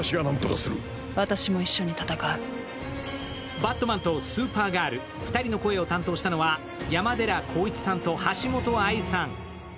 バットマンとスーパーガール、２人の声を担当したのは山寺宏一さんと橋本愛さん。